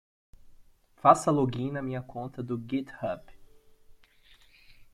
Faça login na minha conta do github.